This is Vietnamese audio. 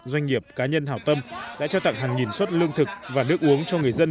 doanh nghiệp cá nhân hảo tâm đã trao tặng hàng nghìn suất lương thực và nước uống cho người dân